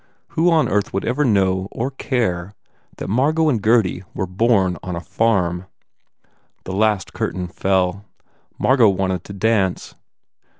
Who on earth would ever know or care that Margot and Gurdy were born on a farm? The last curtain fell. Margot wanted to dance.